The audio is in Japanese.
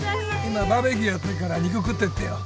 今バーベキューやってるから肉食ってってよ。